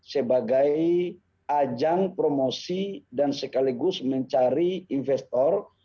sebagai ajang promosi dan sekaligus mencari investor